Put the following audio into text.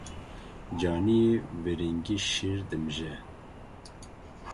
Caniyê viringî şîr dimije.